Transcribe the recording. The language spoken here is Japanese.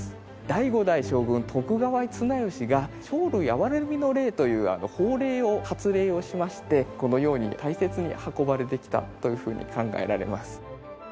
第５代将軍徳川綱吉が生類憐れみの令という法令を発令をしましてこのように大切に運ばれてきたというふうに考えられます。